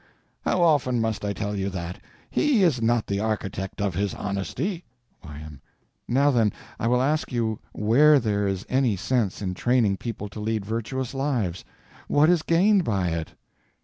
How often must I tell you that? _He _is not the architect of his honesty. Y.M. Now then, I will ask you where there is any sense in training people to lead virtuous lives. What is gained by it?